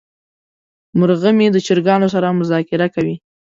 مرغه مې د چرګانو سره مذاکره کوي.